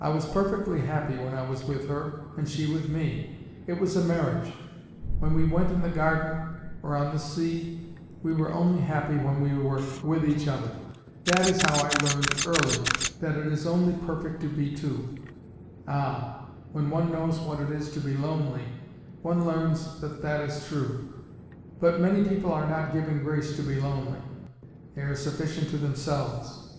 I was perfectly happy when I was with her and she with me; it was a marriage. When we went in the garden or on the sea, we were only happy when we were with each other. That is how I learned early that it is only perfect to be two. Ah, when one knows what it is to be lonely, one learns that that is true; but many people are not given grace to be lonely they are sufficient to themselves.